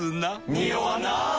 ニオわない！